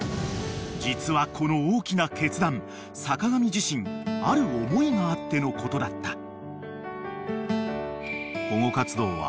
［実はこの大きな決断坂上自身ある思いがあってのことだった］